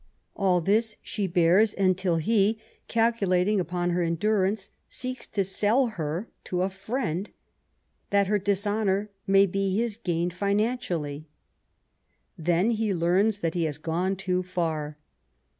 All this she bears until he, calculating upon her •endurance, seeks to sell her to a friend, that her dis honour may be his gain financially. Then he learns that he has gone too far.